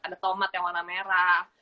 ada tomat yang warna merah